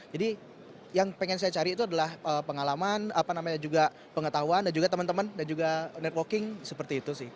jadi yang ingin saya cari itu adalah pengalaman apa namanya juga pengetahuan dan juga teman teman dan juga networking seperti itu sih